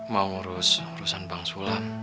mau ngurus urusan bank sulam